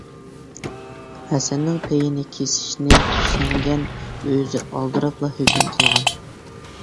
ھەسەننىڭ پېيىنى كېسىشنى شەڭگەن ئۆزى ئالدىراپلا ھۆكۈم قىلغان.